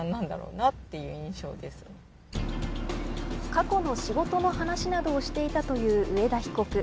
過去の仕事の話などをしていたという上田被告。